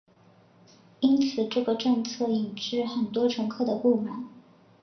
因此这个政策引致很多乘客的不满。